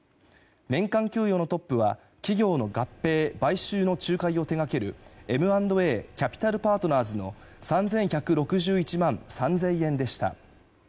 年間給与のトップは企業の合併・買収の仲介を手掛けるＭ＆Ａキャピタルパートナーズの３１６１万３０００円でした。